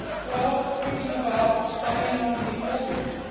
'Well, creeping about, spying on people.'